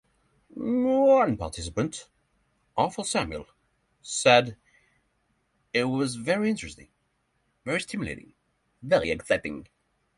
One participant, Arthur Samuel said, "It was very interesting, very stimulating, very exciting".